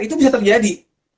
itu bisa terjadi